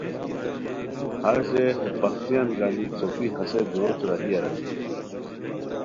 ہݰ رے ہے پختییان گانی څوپی ہسے دوروتے راہی اریر